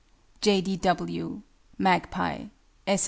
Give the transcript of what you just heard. J. D. W. MAGPIE.